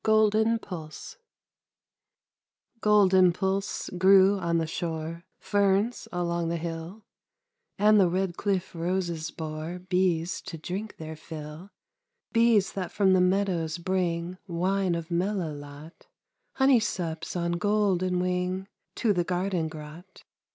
GOLDEN PULSE Golden pulse grew on the shore, Ferns along the hill, And the red cliff roses bore Bees to drink their fill; Bees that from the meadows bring Wine of melilot, Honey sups on golden wing To the garden grot.